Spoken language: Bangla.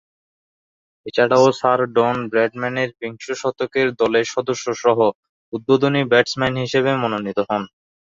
এছাড়াও স্যার ডন ব্র্যাডম্যানের বিংশ শতকের দলের সদস্যসহ উদ্বোধনী ব্যাটসম্যান হিসেবে মনোনীত হন।